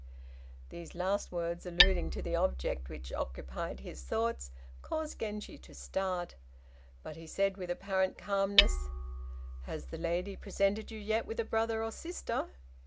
These last words alluding to the object which occupied his thoughts caused Genji to start, but he said with apparent calmness "Has the lady presented you yet with a brother or a sister?"